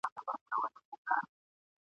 تش کوهي ته په اوبو پسي لوېدلی ..